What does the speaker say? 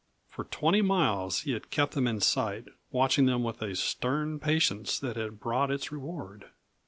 For twenty miles he had kept them in sight, watching them with a stern patience that had brought its reward.